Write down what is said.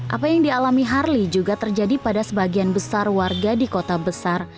apa yang dialami harley juga terjadi pada sebagian besar warga di kota besar